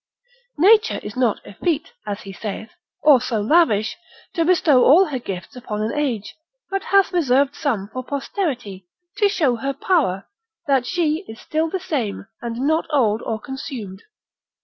Nature is not effete, as he saith, or so lavish, to bestow all her gifts upon an age, but hath reserved some for posterity, to show her power, that she is still the same, and not old or consumed.